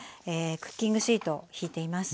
クッキングシート引いています。